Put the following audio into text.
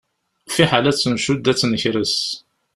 Fiḥel ad tt-ncudd ad tt-nkres.